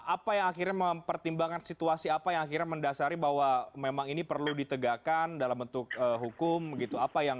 apa yang akhirnya mempertimbangkan situasi apa yang akhirnya mendasari bahwa memang ini perlu ditegakkan dalam bentuk hukum gitu